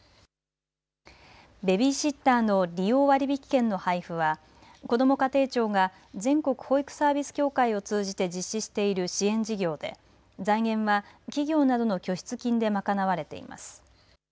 ベビーシッターの利用割引券の配付はこども家庭庁が全国保育サービス協会を通じて実施している支援事業で財源は企業などの拠出金で賄われています。